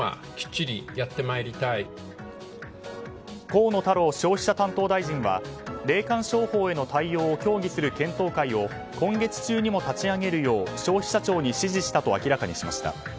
河野太郎消費者担当大臣は霊感商法への対応を協議する検討会を今月中にも立ち上げるよう消費者庁に指示したと明らかにしました。